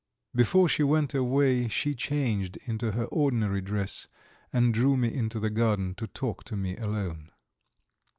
Before she went away she changed into her ordinary dress, and drew me into the garden to talk to me alone.